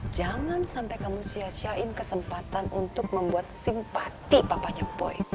jangan sampai kamu sia siain kesempatan untuk membuat simpati papanya boy